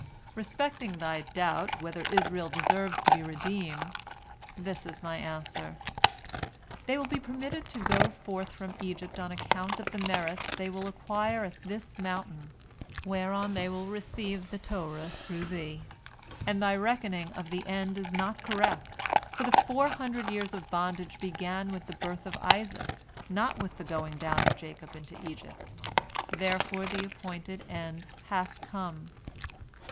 Respecting thy doubt, whether Israel deserves to be redeemed, this is My answer: they will be permitted to go forth from Egypt on account of the merits they will acquire at this mountain, whereon they will receive the Torah through thee. And thy reckoning of the end is not correct, for the four hundred years of bondage began with the birth of Isaac, not with the going down of Jacob into Egypt. Therefore the appointed end hath come."